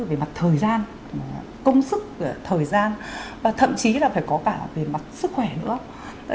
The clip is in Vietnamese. về mặt thời gian công sức thời gian và thậm chí là phải có cả về mặt sức khỏe nữa